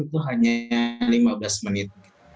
itu hanya lima belas menit